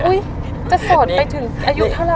อุ๊ยจะสดไปถึงอายุเท่าไร